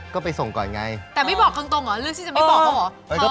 เขาอาจจะแบบชิ้นอะ